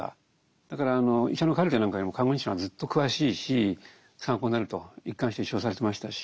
だから医者のカルテなんかよりも看護日誌のがずっと詳しいし参考になると一環して使用されてましたし。